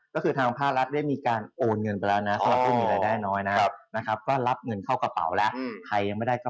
ก็คือทางภาษาลัดได้มีการโอนเงินไปละนะ